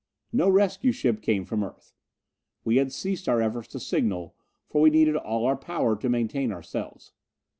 No rescue ship came from Earth. We had ceased our efforts to signal, for we needed all our power to maintain ourselves.